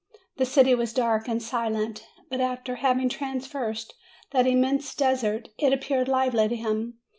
The city was dark and silent, but after having traversed that im mense desert, it appeared lively to him.